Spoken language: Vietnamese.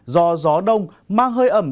do gió đông mang hơi ẩm